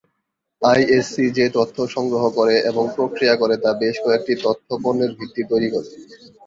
ISC যে তথ্য সংগ্রহ করে এবং প্রক্রিয়া করে তা বেশ কয়েকটি তথ্য পণ্যের ভিত্তি তৈরি করে।